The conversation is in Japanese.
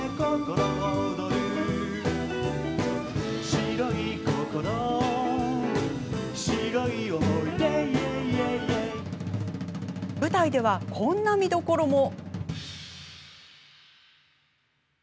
「白い心」「白い思い出」舞台では、こんな見どころも。